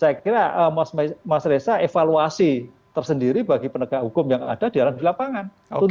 saya kira mas rizal evaluasi tersendiri bagi penegak hukum yang ada di lapangan